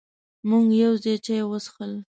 مونږ یو ځای چای وڅښل.